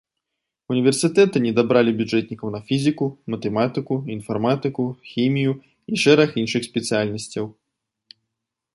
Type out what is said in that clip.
Універсітэты недабралі бюджэтнікаў на фізіку, матэматыку, інфарматыку, хімію і шэраг іншых спецыяльнасцяў.